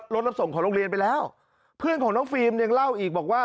รถรับส่งของโรงเรียนไปแล้วเพื่อนของน้องฟิล์มยังเล่าอีกบอกว่า